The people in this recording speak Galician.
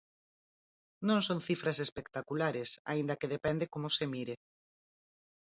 Non son cifras espectaculares, aínda que depende como se mire.